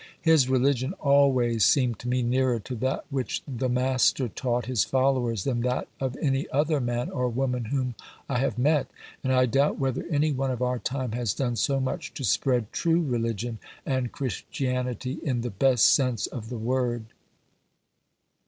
His religion always seemed to me nearer to that which The Master taught his followers than that of any other man or woman whom I have met, and I doubt whether any one of our time has done so much to spread true religion and Christianity in the best sense of the word.